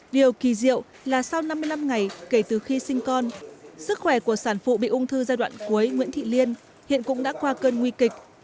điều kỳ diệu là sau năm mươi năm ngày kể từ khi sinh con sức khỏe của sản phụ bị ung thư giai đoạn cuối nguyễn thị liên hiện cũng đã qua cơn nguy kịch